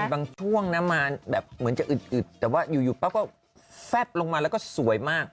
บางช่วงนะมาแบบเหมือนจะอึดแต่ว่าอยู่ปั๊บก็แฟบลงมาแล้วก็สวยมาก